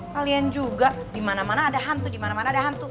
kalian juga dimana mana ada hantu dimana mana ada hantu